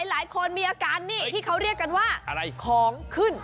หลายคนมีอาการนี่ที่เขาเรียกกันว่าอะไรของขึ้น